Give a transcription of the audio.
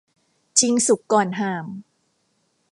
ชิงสุกก่อนห่าม